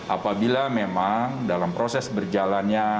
apabila memang dalam proses berjalannya